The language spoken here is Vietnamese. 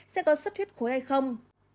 sẽ có xuất huyết khối hay không